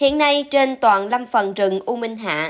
hiện nay trên toàn lâm phần rừng u minh hạ